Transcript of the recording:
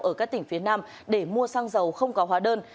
ở các tỉnh phía nam để mua xăng dầu không có hóa đơn